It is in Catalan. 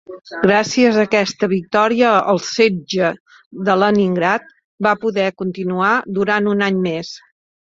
Gràcies a aquesta victòria, el setge de Leningrad va poder continuar durant un any més.